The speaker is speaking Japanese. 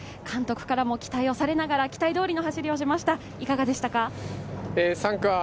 監督からも期待をされながら、期待どおりの走りをしました、いかがでしたか？